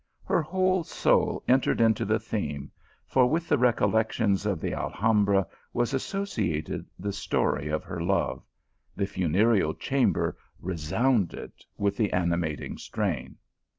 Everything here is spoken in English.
Her whole soul entered into the theme, for with the recollections of the Alhambra was associ ated the story of her love ; the funereal chamber re sounded with the animating strain.